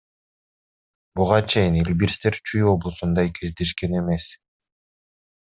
Буга чейин илбирстер Чүй облусунда кездешкен эмес.